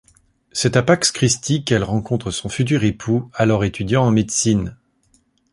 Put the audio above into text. C'est à Pax Christi qu'elle rencontre son futur époux, alors étudiant en médecine.